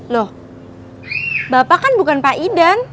loh bapak kan bukan pak idan